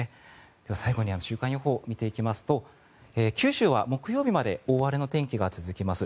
では、最後に週間予報を見ていきますと九州は木曜日まで大荒れの天気が続きます。